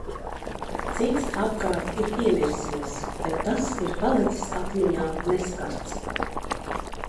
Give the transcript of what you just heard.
Cits apkārt ir piemirsies, bet tas ir palicis atmiņā neskarts.